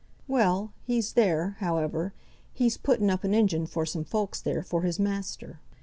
"Well, he's there, however; he's putting up an engine for some folks there, for his master.